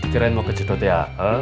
pikirin mau ke judot ya